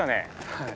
はい。